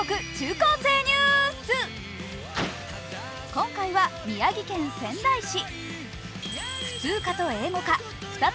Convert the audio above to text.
今回は宮城県仙台市。